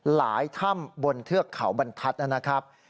หลายถ้ำบนเทือกเขาบรรทัศน์นั่นนะครับ